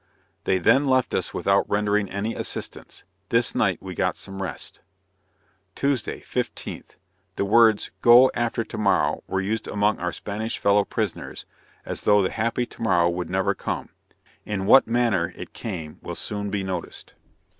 They then left us without rendering any assistance. This night we got some rest. Tuesday, 15th. The words "go after tomorrow," were used among our Spanish fellow prisoners, as though that happy tomorrow would never come in what manner it came will soon be noticed.